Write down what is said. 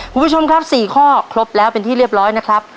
คุณผู้ชมครับ๔ข้อครบแล้วเป็นที่เรียบร้อยนะครับ